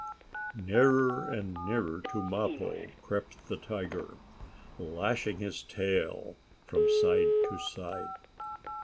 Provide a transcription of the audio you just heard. Nearer and nearer to Mappo crept the tiger, lashing his tail from side to side.